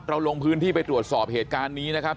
ลงพื้นที่ไปตรวจสอบเหตุการณ์นี้นะครับ